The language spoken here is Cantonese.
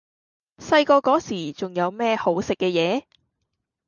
細個嗰時仲有咩好食嘅野？